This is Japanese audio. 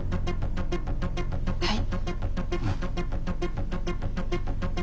はい。